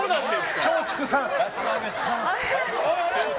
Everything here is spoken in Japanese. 松竹さん！